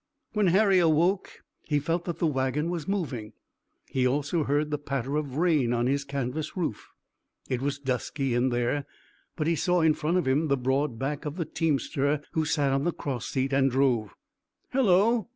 When Harry awoke he felt that the wagon was moving. He also heard the patter of rain on his canvas roof. It was dusky in there, but he saw in front of him the broad back of the teamster who sat on the cross seat and drove. "Hello!"